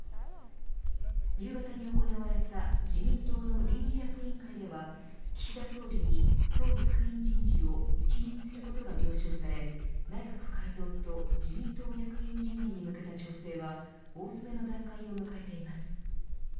夕方に行われた自民党の臨時役員会では岸田総理に党役員人事を一任することが了承され内閣改造と自民党役員人事に向けた調整は大詰めの段階を迎えています。